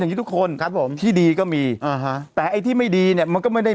อย่างนี้ทุกคนครับผมที่ดีก็มีอ่าฮะแต่ไอ้ที่ไม่ดีเนี่ยมันก็ไม่ได้